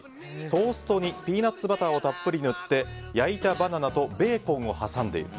トーストにピーナッツバターをたっぷり塗って焼いたバナナとベーコンを挟んでいる。